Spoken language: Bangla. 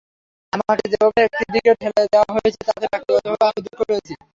আমাকে যেভাবে একটি দিকে ঠেলে দেওয়া হয়েছে, তাতে ব্যক্তিগতভাবে আমি দুঃখ পেয়েছি।